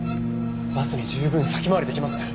バスに十分先回り出来ますね。